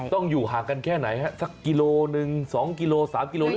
ต้องอยู่ห่างกันแค่ไหนครับ๑กิโล๑๒กิโล๓กิโล